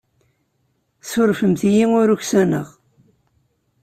Surfemt-iyi ur uksaneɣ.